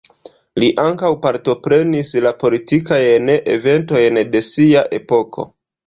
Li ankaŭ partoprenis la politikajn eventojn de sia epoko.